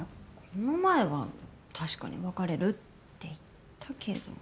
この前はたしかに別れるって言ったけれども。